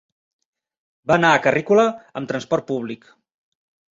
Va anar a Carrícola amb transport públic.